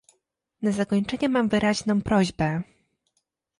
Na zakończenie mam wyraźną prośbę